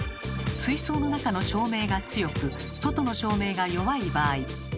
水槽の中の照明が強く外の照明が弱い場合